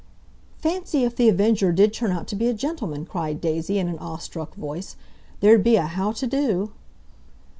"Fancy if The Avenger did turn out to be a gentleman!" cried Daisy, in an awe struck voice. "There'd be a how to do!"